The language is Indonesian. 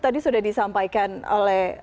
tadi sudah disampaikan oleh